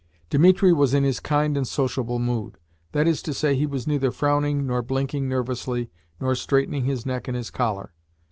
Dimitri was in his kind and sociable mood. That is to say, he was neither frowning nor blinking nervously nor straightening his neck in his collar.